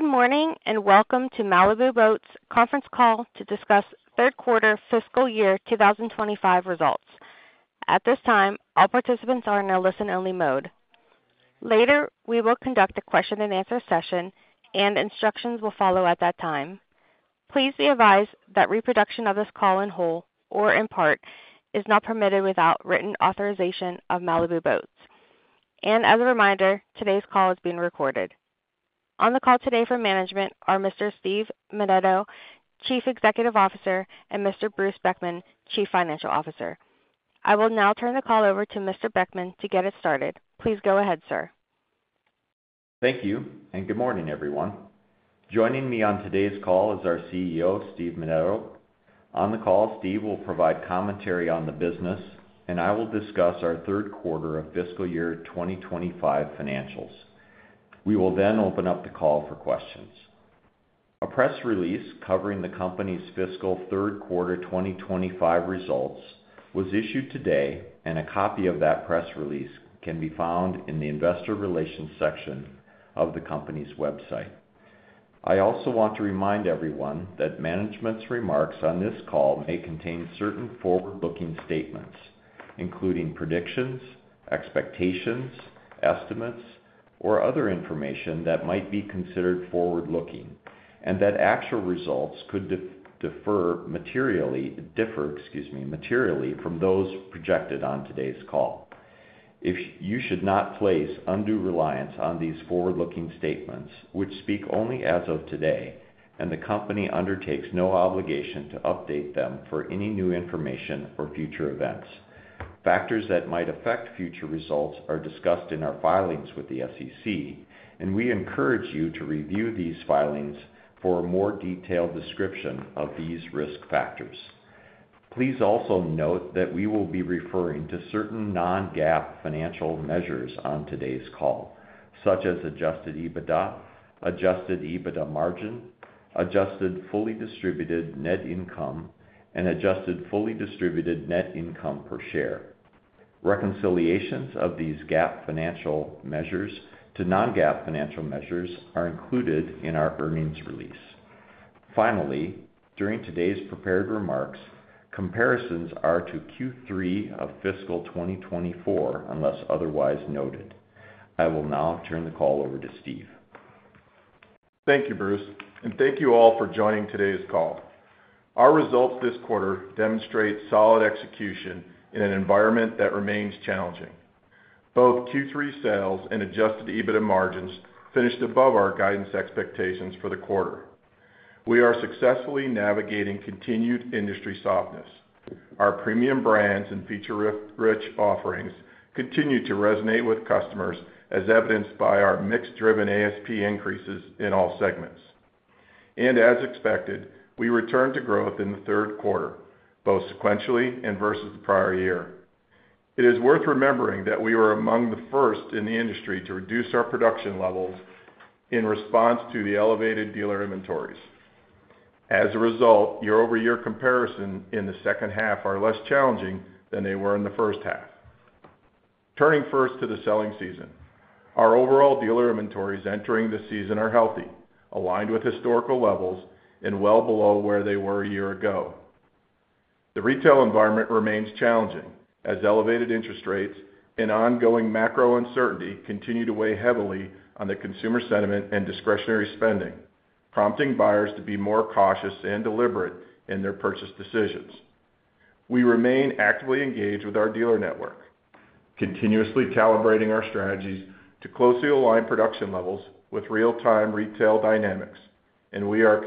Good morning and welcome to Malibu Boats' Conference Call to discuss third quarter fiscal year 2025 results. At this time, all participants are in a listen-only mode. Later, we will conduct a question-and-answer session, and instructions will follow at that time. Please be advised that reproduction of this call in whole or in part is not permitted without written authorization of Malibu Boats. As a reminder, today's call is being recorded. On the call today for management are Mr. Steve Menneto, Chief Executive Officer, and Mr. Bruce Beckman, Chief Financial Officer. I will now turn the call over to Mr. Beckman to get us started. Please go ahead, sir. Thank you and good morning, everyone. Joining me on today's call is our CEO, Steve Menneto. On the call, Steve will provide commentary on the business, and I will discuss our third quarter of fiscal year 2025 financials. We will then open up the call for questions. A press release covering the company's fiscal third quarter 2025 results was issued today, and a copy of that press release can be found in the investor relations section of the company's website. I also want to remind everyone that management's remarks on this call may contain certain forward-looking statements, including predictions, expectations, estimates, or other information that might be considered forward-looking, and that actual results could differ materially from those projected on today's call. You should not place undue reliance on these forward-looking statements, which speak only as of today, and the company undertakes no obligation to update them for any new information or future events. Factors that might affect future results are discussed in our filings with the SEC, and we encourage you to review these filings for a more detailed description of these risk factors. Please also note that we will be referring to certain non-GAAP financial measures on today's call, such as adjusted EBITDA, adjusted EBITDA margin, adjusted fully distributed net income, and adjusted fully distributed net income per share. Reconciliations of these GAAP financial measures to non-GAAP financial measures are included in our earnings release. Finally, during today's prepared remarks, comparisons are to Q3 of fiscal 2024 unless otherwise noted. I will now turn the call over to Steve. Thank you, Bruce, and thank you all for joining today's call. Our results this quarter demonstrate solid execution in an environment that remains challenging. Both Q3 sales and adjusted EBITDA margins finished above our guidance expectations for the quarter. We are successfully navigating continued industry softness. Our premium brands and feature-rich offerings continue to resonate with customers, as evidenced by our mix-driven ASP increases in all segments. As expected, we returned to growth in the third quarter, both sequentially and versus the prior year. It is worth remembering that we were among the first in the industry to reduce our production levels in response to the elevated dealer inventories. As a result, year-over-year comparisons in the second half are less challenging than they were in the first half. Turning first to the selling season, our overall dealer inventories entering the season are healthy, aligned with historical levels, and well below where they were a year ago. The retail environment remains challenging, as elevated interest rates and ongoing macro uncertainty continue to weigh heavily on the consumer sentiment and discretionary spending, prompting buyers to be more cautious and deliberate in their purchase decisions. We remain actively engaged with our dealer network, continuously calibrating our strategies to closely align production levels with real-time retail dynamics, and we are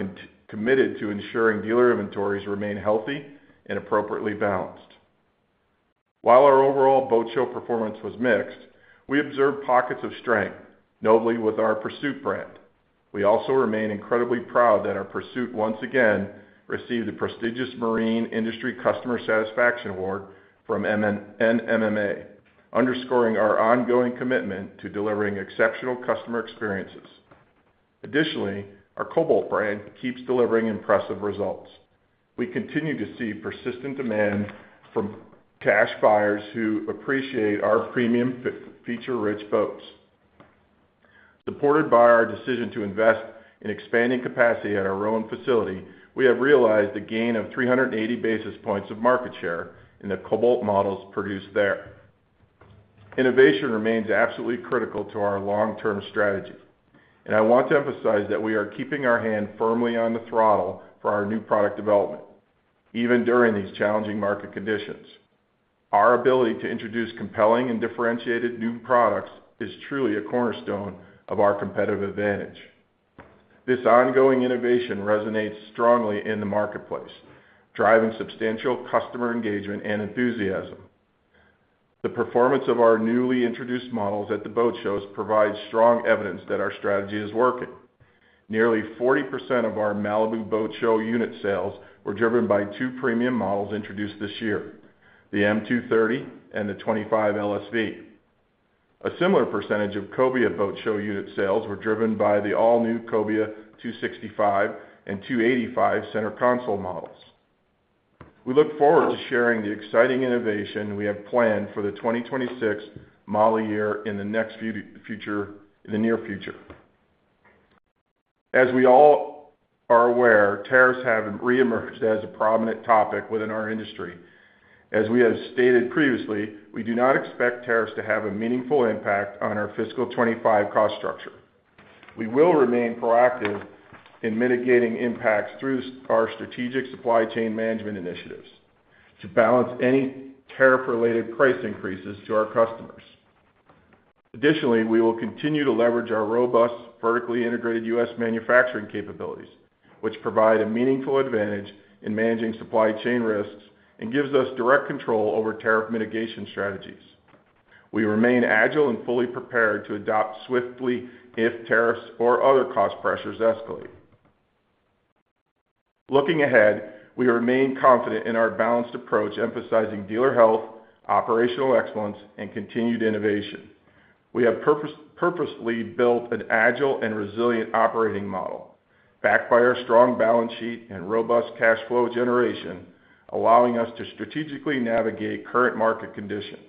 committed to ensuring dealer inventories remain healthy and appropriately balanced. While our overall boat show performance was mixed, we observed pockets of strength, notably with our Pursuit brand. We also remain incredibly proud that our Pursuit once again received the prestigious Marine Industry Customer Satisfaction Award from NMMA, underscoring our ongoing commitment to delivering exceptional customer experiences. Additionally, our Cobalt brand keeps delivering impressive results. We continue to see persistent demand from cash buyers who appreciate our premium feature-rich boats. Supported by our decision to invest in expanding capacity at our own facility, we have realized the gain of 380 basis points of market share in the Cobalt models produced there. Innovation remains absolutely critical to our long-term strategy, and I want to emphasize that we are keeping our hand firmly on the throttle for our new product development, even during these challenging market conditions. Our ability to introduce compelling and differentiated new products is truly a cornerstone of our competitive advantage. This ongoing innovation resonates strongly in the marketplace, driving substantial customer engagement and enthusiasm. The performance of our newly introduced models at the boat shows provides strong evidence that our strategy is working. Nearly 40% of our Malibu Boat Show unit sales were driven by two premium models introduced this year, the M230 and the 25 LSV. A similar % of Cobia Boat Show unit sales were driven by the all-new Cobia 265 and 285 center console models. We look forward to sharing the exciting innovation we have planned for the 2026 model year in the near future. As we all are aware, tariffs have re-emerged as a prominent topic within our industry. As we have stated previously, we do not expect tariffs to have a meaningful impact on our fiscal 2025 cost structure. We will remain proactive in mitigating impacts through our strategic supply chain management initiatives to balance any tariff-related price increases to our customers. Additionally, we will continue to leverage our robust vertically integrated U.S. Manufacturing capabilities, which provide a meaningful advantage in managing supply chain risks and give us direct control over tariff mitigation strategies. We remain agile and fully prepared to adapt swiftly if tariffs or other cost pressures escalate. Looking ahead, we remain confident in our balanced approach, emphasizing dealer health, operational excellence, and continued innovation. We have purposefully built an agile and resilient operating model, backed by our strong balance sheet and robust cash flow generation, allowing us to strategically navigate current market conditions.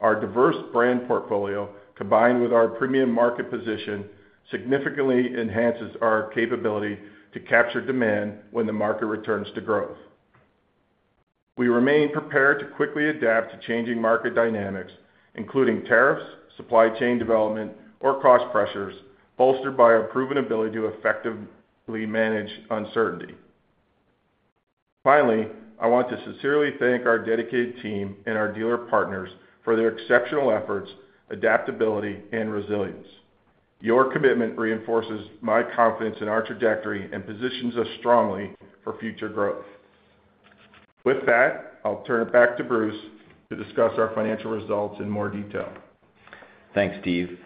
Our diverse brand portfolio, combined with our premium market position, significantly enhances our capability to capture demand when the market returns to growth. We remain prepared to quickly adapt to changing market dynamics, including tariffs, supply chain development, or cost pressures, bolstered by our proven ability to effectively manage uncertainty. Finally, I want to sincerely thank our dedicated team and our dealer partners for their exceptional efforts, adaptability, and resilience. Your commitment reinforces my confidence in our trajectory and positions us strongly for future growth. With that, I'll turn it back to Bruce to discuss our financial results in more detail. Thanks, Steve.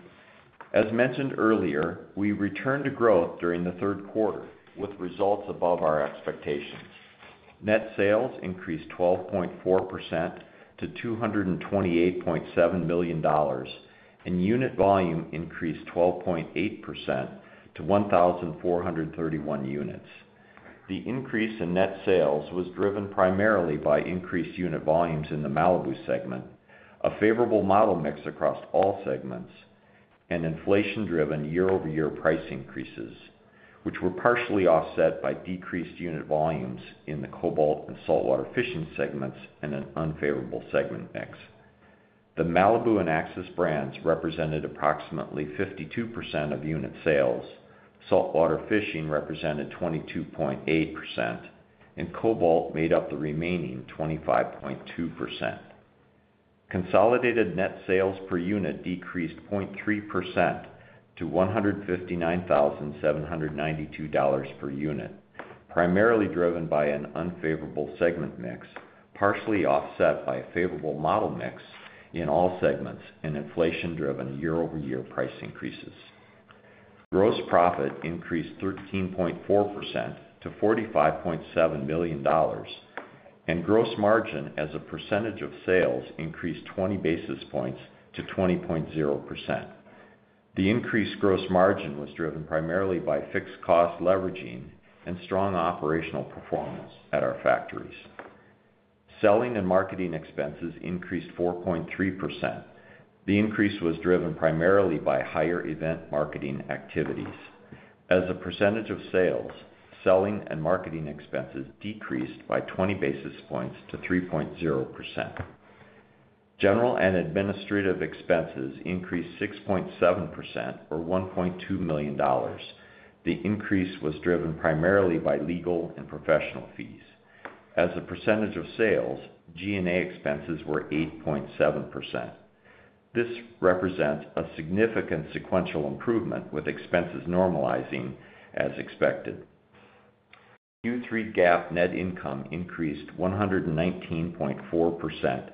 As mentioned earlier, we returned to growth during the third quarter with results above our expectations. Net sales increased 12.4% to $228.7 million, and unit volume increased 12.8% to 1,431 units. The increase in net sales was driven primarily by increased unit volumes in the Malibu segment, a favorable model mix across all segments, and inflation-driven year-over-year price increases, which were partially offset by decreased unit volumes in the Cobalt and saltwater fishing segments and an unfavorable segment mix. The Malibu and Axis brands represented approximately 52% of unit sales, saltwater fishing represented 22.8%, and Cobalt made up the remaining 25.2%. Consolidated net sales per unit decreased 0.3% to $159,792 per unit, primarily driven by an unfavorable segment mix, partially offset by a favorable model mix in all segments and inflation-driven year-over-year price increases. Gross profit increased 13.4% to $45.7 million, and gross margin as a % of sales increased 20 basis points to 20.0%. The increased gross margin was driven primarily by fixed cost leveraging and strong operational performance at our factories. Selling and marketing expenses increased 4.3%. The increase was driven primarily by higher event marketing activities. As a % of sales, selling and marketing expenses decreased by 20 basis points to 3.0%. General and administrative expenses increased 6.7%, or $1.2 million. The increase was driven primarily by legal and professional fees. As a % of sales, G&A expenses were 8.7%. This represents a significant sequential improvement, with expenses normalizing as expected. Q3 GAAP net income increased 119.4%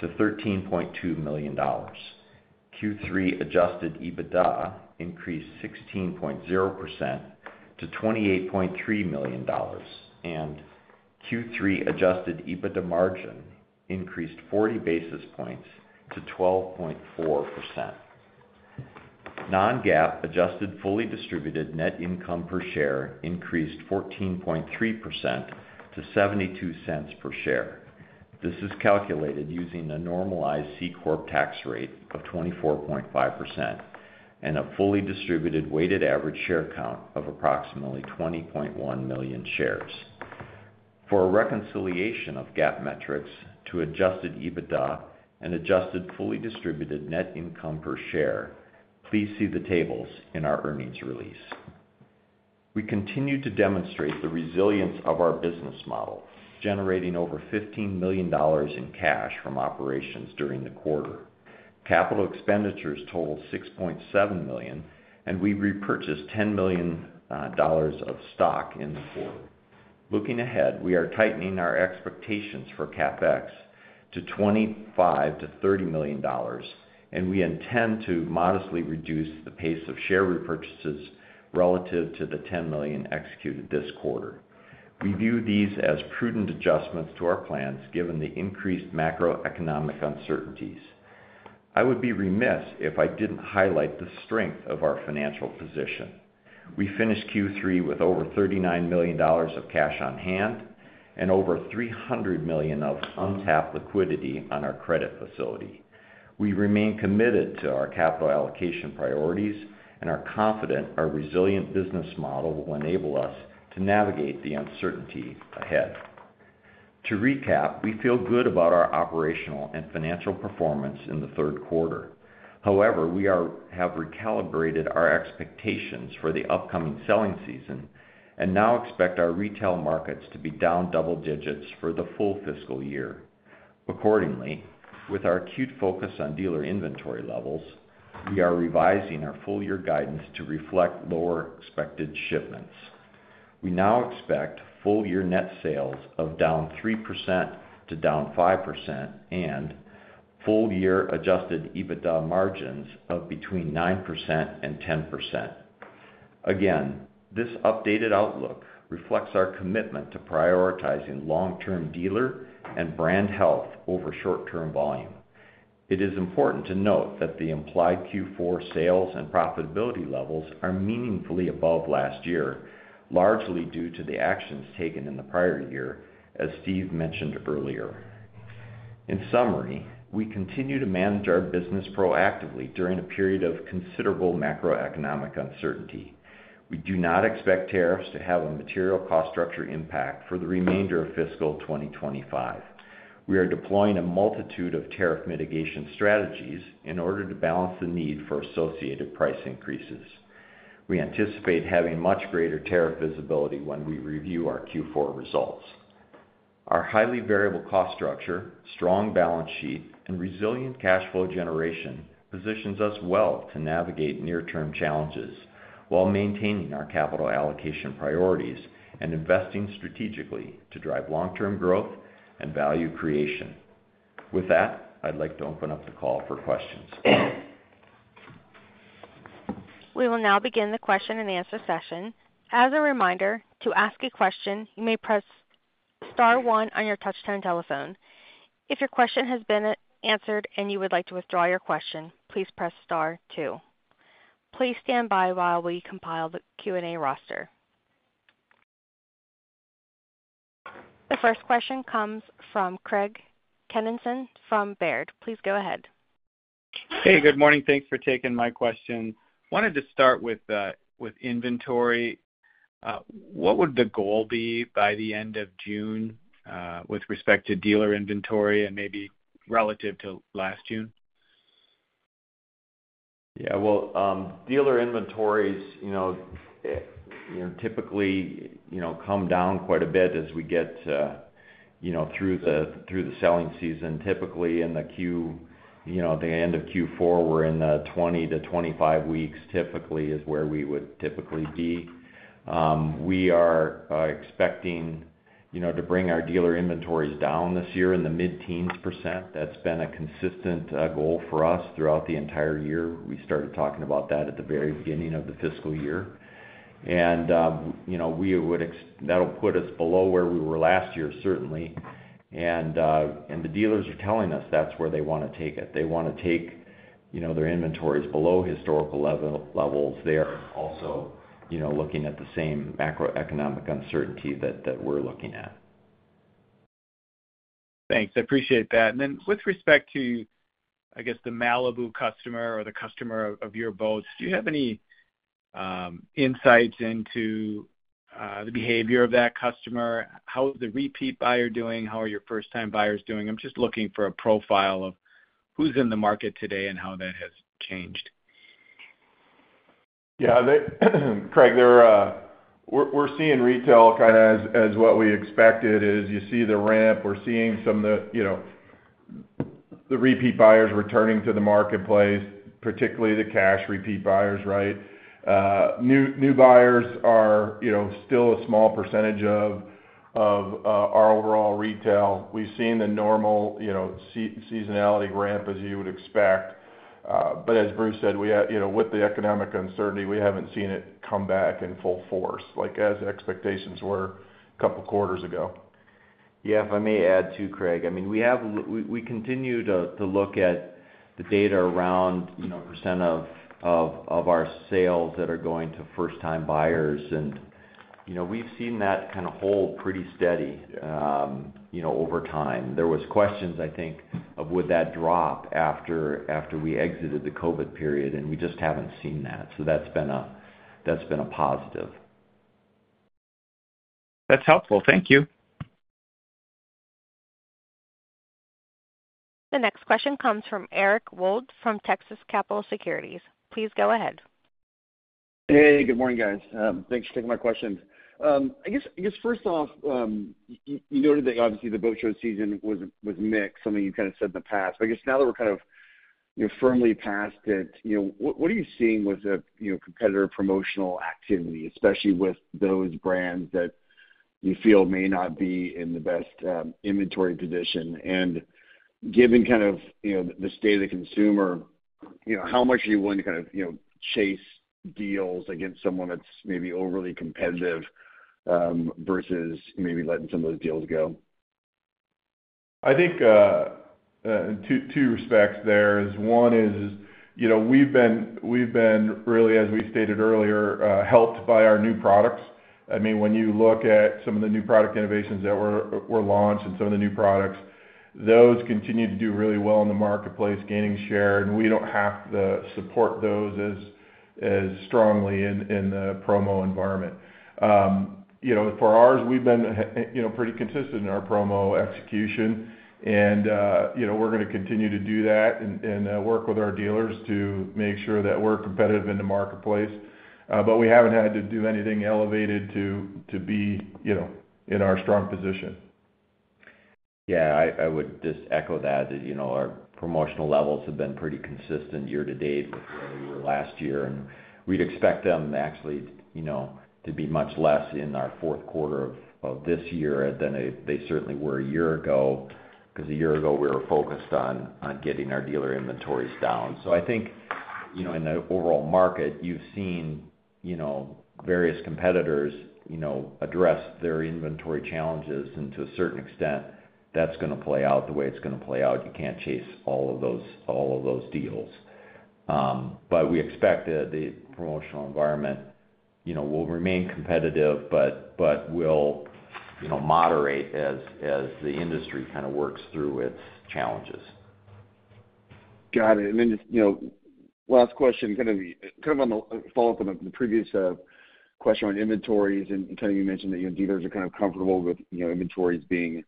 to $13.2 million. Q3 adjusted EBITDA increased 16.0% to $28.3 million, and Q3 adjusted EBITDA margin increased 40 basis points to 12.4%. Non-GAAP adjusted fully distributed net income per share increased 14.3% to $0.72 per share. This is calculated using a normalized C Corp tax rate of 24.5% and a fully distributed weighted average share count of approximately 20.1 million shares. For a reconciliation of GAAP metrics to adjusted EBITDA and adjusted fully distributed net income per share, please see the tables in our earnings release. We continue to demonstrate the resilience of our business model, generating over $15 million in cash from operations during the quarter. Capital expenditures total $6.7 million, and we repurchased $10 million of stock in the quarter. Looking ahead, we are tightening our expectations for CapEx to $25 million-$30 million, and we intend to modestly reduce the pace of share repurchases relative to the $10 million executed this quarter. We view these as prudent adjustments to our plans given the increased macroeconomic uncertainties. I would be remiss if I did not highlight the strength of our financial position. We finished Q3 with over $39 million of cash on hand and over $300 million of untapped liquidity on our credit facility. We remain committed to our capital allocation priorities and are confident our resilient business model will enable us to navigate the uncertainty ahead. To recap, we feel good about our operational and financial performance in the third quarter. However, we have recalibrated our expectations for the upcoming selling season and now expect our retail markets to be down double digits for the full fiscal year. Accordingly, with our acute focus on dealer inventory levels, we are revising our full-year guidance to reflect lower expected shipments. We now expect full-year net sales of down 3% to down 5% and full-year adjusted EBITDA margins of between 9% and 10%. Again, this updated outlook reflects our commitment to prioritizing long-term dealer and brand health over short-term volume. It is important to note that the implied Q4 sales and profitability levels are meaningfully above last year, largely due to the actions taken in the prior year, as Steve mentioned earlier. In summary, we continue to manage our business proactively during a period of considerable macroeconomic uncertainty. We do not expect tariffs to have a material cost structure impact for the remainder of fiscal 2025. We are deploying a multitude of tariff mitigation strategies in order to balance the need for associated price increases. We anticipate having much greater tariff visibility when we review our Q4 results. Our highly variable cost structure, strong balance sheet, and resilient cash flow generation positions us well to navigate near-term challenges while maintaining our capital allocation priorities and investing strategically to drive long-term growth and value creation. With that, I'd like to open up the call for questions. We will now begin the question and answer session. As a reminder, to ask a question, you may press Star one on your touch-tone telephone. If your question has been answered and you would like to withdraw your question, please press Star two. Please stand by while we compile the Q&A roster. The first question comes from Craig Kennison from Baird. Please go ahead. Hey, good morning. Thanks for taking my question. Wanted to start with inventory. What would the goal be by the end of June with respect to dealer inventory and maybe relative to last June? Yeah, dealer inventories typically come down quite a bit as we get through the selling season. Typically, in the end of Q4, we're in the 20-25 weeks typically is where we would typically be. We are expecting to bring our dealer inventories down this year in the mid-teens %. That's been a consistent goal for us throughout the entire year. We started talking about that at the very beginning of the fiscal year. That'll put us below where we were last year, certainly. The dealers are telling us that's where they want to take it. They want to take their inventories below historical levels. They're also looking at the same macroeconomic uncertainty that we're looking at. Thanks. I appreciate that. With respect to, I guess, the Malibu customer or the customer of your boats, do you have any insights into the behavior of that customer? How is the repeat buyer doing? How are your first-time buyers doing? I'm just looking for a profile of who's in the market today and how that has changed. Yeah, Craig, we're seeing retail kind of as what we expected. As you see the ramp, we're seeing some of the repeat buyers returning to the marketplace, particularly the cash repeat buyers, right? New buyers are still a small percentage of our overall retail. We've seen the normal seasonality ramp, as you would expect. As Bruce said, with the economic uncertainty, we haven't seen it come back in full force like as expectations were a couple of quarters ago. Yeah, if I may add to Craig, I mean, we continue to look at the data around % of our sales that are going to first-time buyers. And we've seen that kind of hold pretty steady over time. There were questions, I think, of would that drop after we exited the COVID period, and we just haven't seen that. So that's been a positive. That's helpful. Thank you. The next question comes from Eric Wold from Texas Capital Securities. Please go ahead. Hey, good morning, guys. Thanks for taking my question. I guess, first off, you noted that obviously the boat show season was mixed, something you've kind of said in the past. I guess now that we're kind of firmly past it, what are you seeing with competitor promotional activity, especially with those brands that you feel may not be in the best inventory position? Given kind of the state of the consumer, how much are you willing to kind of chase deals against someone that's maybe overly competitive versus maybe letting some of those deals go? I think two respects there is. One is we've been really, as we stated earlier, helped by our new products. I mean, when you look at some of the new product innovations that were launched and some of the new products, those continue to do really well in the marketplace, gaining share, and we don't have to support those as strongly in the promo environment. For ours, we've been pretty consistent in our promo execution, and we're going to continue to do that and work with our dealers to make sure that we're competitive in the marketplace. We haven't had to do anything elevated to be in our strong position. Yeah, I would just echo that. Our promotional levels have been pretty consistent year to date with last year. We would expect them actually to be much less in our fourth quarter of this year than they certainly were a year ago because a year ago we were focused on getting our dealer inventories down. I think in the overall market, you have seen various competitors address their inventory challenges, and to a certain extent, that is going to play out the way it is going to play out. You cannot chase all of those deals. We expect that the promotional environment will remain competitive but will moderate as the industry kind of works through its challenges. Got it. Just last question, kind of a follow-up on the previous question on inventories. You mentioned that dealers are kind of comfortable with inventories being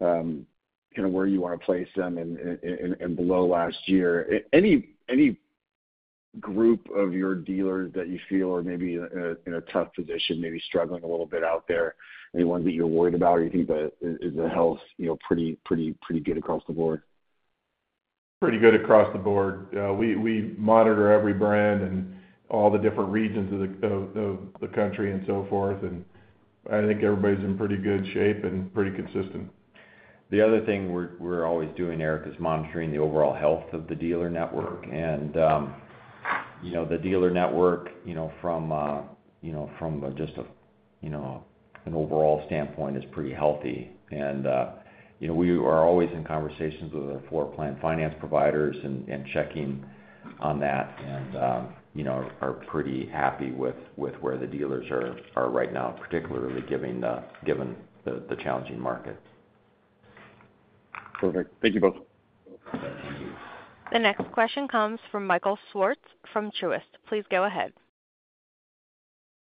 kind of where you want to place them and below last year. Any group of your dealers that you feel are maybe in a tough position, maybe struggling a little bit out there? Anyone that you're worried about or you think is the health pretty good across the board? Pretty good across the board. We monitor every brand in all the different regions of the country and so forth. I think everybody's in pretty good shape and pretty consistent. The other thing we're always doing, Eric, is monitoring the overall health of the dealer network. The dealer network from just an overall standpoint is pretty healthy. We are always in conversations with our floor plan finance providers and checking on that and are pretty happy with where the dealers are right now, particularly given the challenging market. Perfect. Thank you both. The next question comes from Michael Swartz from Truist. Please go ahead.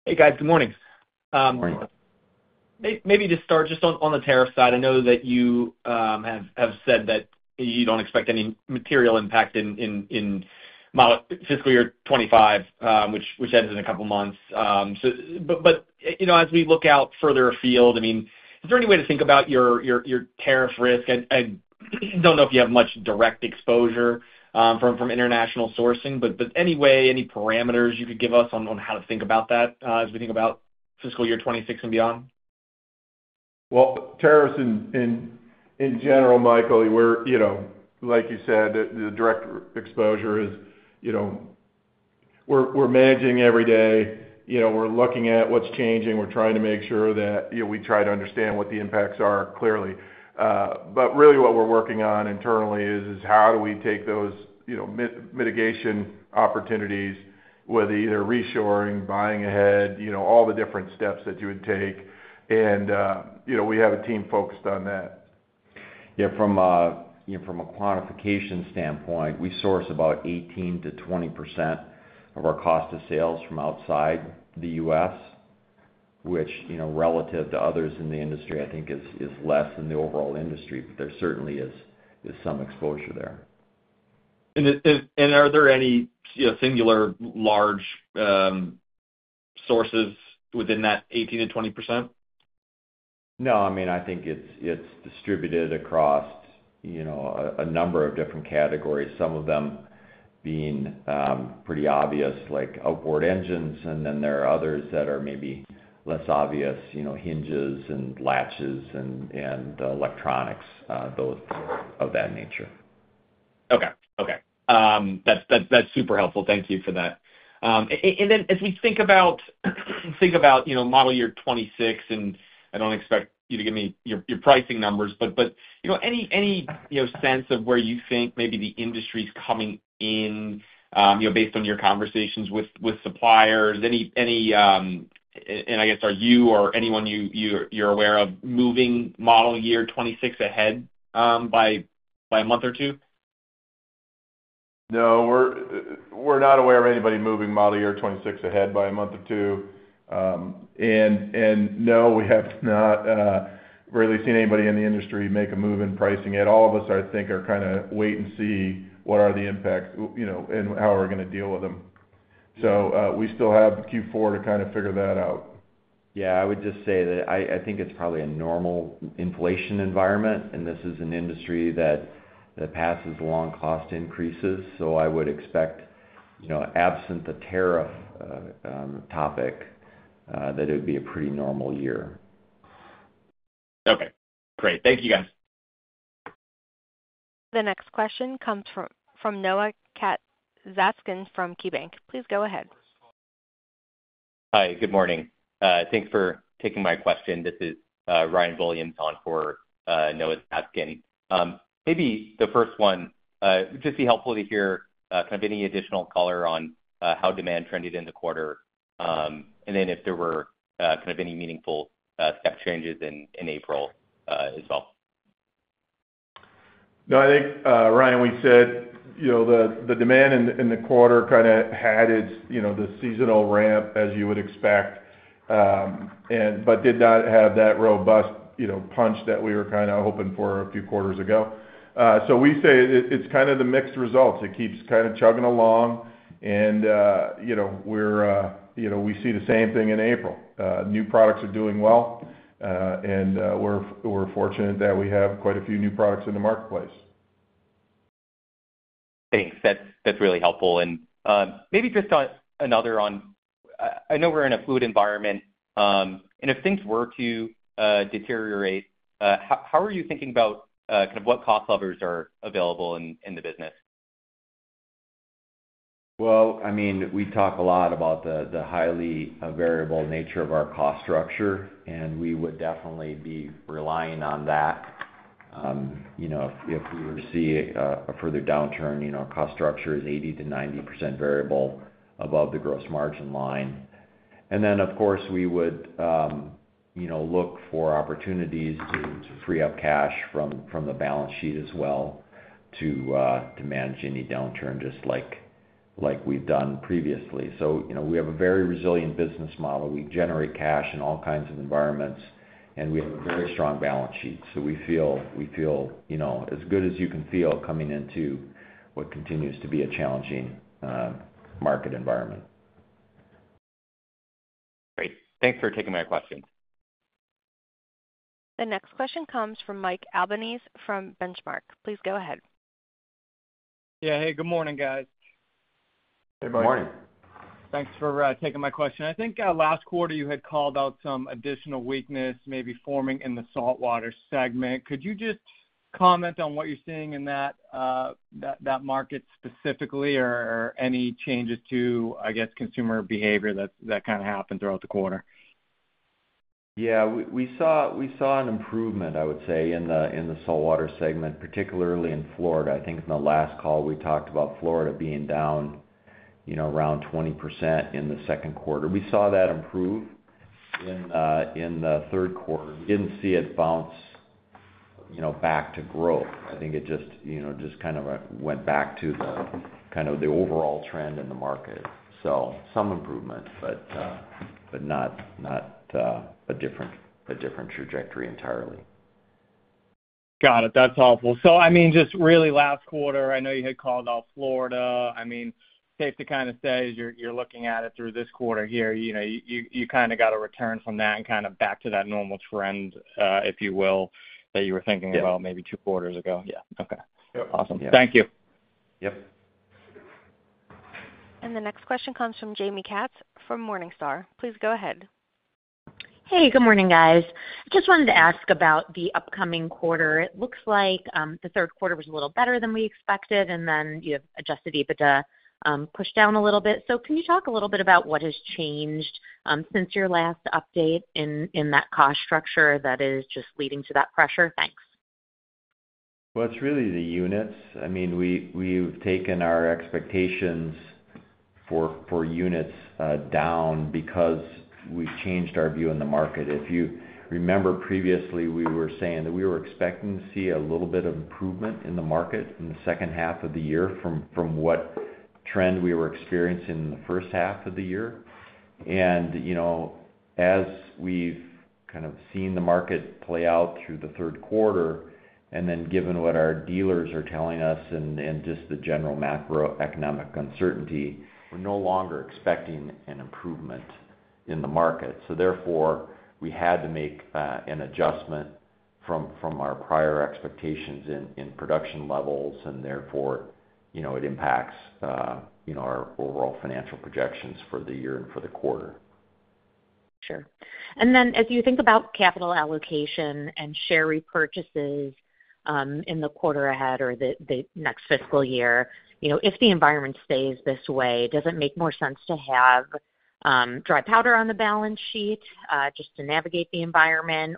Hey, guys. Good morning. Morning. Maybe to start, just on the tariff side, I know that you have said that you don't expect any material impact in fiscal year 2025, which ends in a couple of months. As we look out further afield, I mean, is there any way to think about your tariff risk? I don't know if you have much direct exposure from international sourcing, but any way, any parameters you could give us on how to think about that as we think about fiscal year 2026 and beyond? Tariffs in general, Michael, like you said, the direct exposure is we're managing every day. We're looking at what's changing. We're trying to make sure that we try to understand what the impacts are clearly. What we're working on internally is how do we take those mitigation opportunities with either reshoring, buying ahead, all the different steps that you would take. We have a team focused on that. Yeah, from a quantification standpoint, we source about 18%-20% of our cost of sales from outside the U.S., which relative to others in the industry, I think, is less than the overall industry. There certainly is some exposure there. Are there any singular large sources within that 18%-20%? No, I mean, I think it's distributed across a number of different categories, some of them being pretty obvious like outboard engines, and then there are others that are maybe less obvious, hinges and latches and electronics, those of that nature. Okay. Okay. That's super helpful. Thank you for that. Then as we think about model year 2026, and I don't expect you to give me your pricing numbers, but any sense of where you think maybe the industry's coming in based on your conversations with suppliers? I guess, are you or anyone you're aware of moving model year 2026 ahead by a month or two? No, we're not aware of anybody moving model year 2026 ahead by a month or two. No, we have not really seen anybody in the industry make a move in pricing yet. All of us, I think, are kind of wait and see what are the impacts and how we're going to deal with them. We still have Q4 to kind of figure that out. Yeah, I would just say that I think it's probably a normal inflation environment, and this is an industry that passes along cost increases. I would expect, absent the tariff topic, that it would be a pretty normal year. Okay. Great. Thank you, guys. The next question comes from Noah Zaskin from KeyBanc. Please go ahead. Hi, good morning. Thanks for taking my question. This is Ryan Williamson for Noah Zaskin. Maybe the first one, would it just be helpful to hear kind of any additional color on how demand trended in the quarter? If there were kind of any meaningful step changes in April as well. No, I think, Ryan, we said the demand in the quarter kind of had its seasonal ramp, as you would expect, but did not have that robust punch that we were kind of hoping for a few quarters ago. We say it's kind of the mixed results. It keeps kind of chugging along, and we see the same thing in April. New products are doing well, and we're fortunate that we have quite a few new products in the marketplace. Thanks. That is really helpful. Maybe just another one, I know we are in a fluid environment. If things were to deteriorate, how are you thinking about kind of what cost levers are available in the business? I mean, we talk a lot about the highly variable nature of our cost structure, and we would definitely be relying on that if we were to see a further downturn. Our cost structure is 80%-90% variable above the gross margin line. Then, of course, we would look for opportunities to free up cash from the balance sheet as well to manage any downturn just like we've done previously. We have a very resilient business model. We generate cash in all kinds of environments, and we have a very strong balance sheet. We feel as good as you can feel coming into what continues to be a challenging market environment. Great. Thanks for taking my questions. The next question comes from Mike Albanese from Benchmark. Please go ahead. Yeah. Hey, good morning, guys. Hey, Mike. Good morning. Thanks for taking my question. I think last quarter you had called out some additional weakness maybe forming in the saltwater segment. Could you just comment on what you're seeing in that market specifically or any changes to, I guess, consumer behavior that kind of happened throughout the quarter? Yeah, we saw an improvement, I would say, in the saltwater segment, particularly in Florida. I think in the last call, we talked about Florida being down around 20% in the second quarter. We saw that improve in the third quarter. We did not see it bounce back to growth. I think it just kind of went back to kind of the overall trend in the market. Some improvement, but not a different trajectory entirely. Got it. That's helpful. I mean, just really last quarter, I know you had called out Florida. I mean, safe to kind of say you're looking at it through this quarter here. You kind of got a return from that and kind of back to that normal trend, if you will, that you were thinking about maybe two quarters ago. Yeah. Yeah. Okay. Awesome. Thank you. Yep. The next question comes from Jaime Katz from Morningstar. Please go ahead. Hey, good morning, guys. I just wanted to ask about the upcoming quarter. It looks like the third quarter was a little better than we expected, and then you have adjusted EBITDA pushed down a little bit. Can you talk a little bit about what has changed since your last update in that cost structure that is just leading to that pressure? Thanks. It's really the units. I mean, we've taken our expectations for units down because we've changed our view on the market. If you remember, previously, we were saying that we were expecting to see a little bit of improvement in the market in the second half of the year from what trend we were experiencing in the first half of the year. As we've kind of seen the market play out through the third quarter, and then given what our dealers are telling us and just the general macroeconomic uncertainty, we're no longer expecting an improvement in the market. Therefore, we had to make an adjustment from our prior expectations in production levels, and therefore, it impacts our overall financial projections for the year and for the quarter. Sure. As you think about capital allocation and share repurchases in the quarter ahead or the next fiscal year, if the environment stays this way, does it make more sense to have dry powder on the balance sheet just to navigate the environment?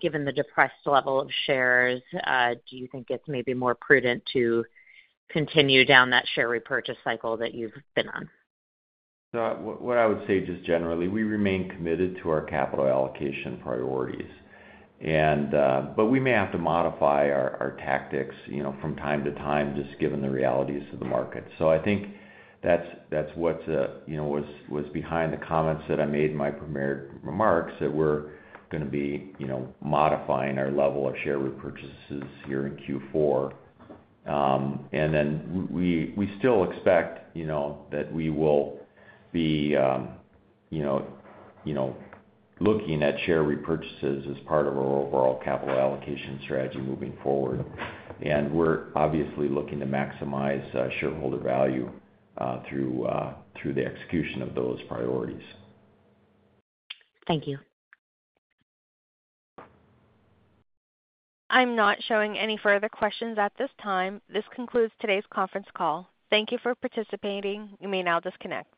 Given the depressed level of shares, do you think it's maybe more prudent to continue down that share repurchase cycle that you've been on? What I would say just generally, we remain committed to our capital allocation priorities, but we may have to modify our tactics from time to time just given the realities of the market. I think that's what was behind the comments that I made in my premier remarks, that we're going to be modifying our level of share repurchases here in Q4. We still expect that we will be looking at share repurchases as part of our overall capital allocation strategy moving forward. We're obviously looking to maximize shareholder value through the execution of those priorities. Thank you. I'm not showing any further questions at this time. This concludes today's conference call. Thank you for participating. You may now disconnect.